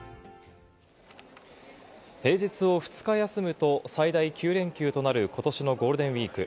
平日を２日休むと、最大９連休となることしのゴールデンウィーク。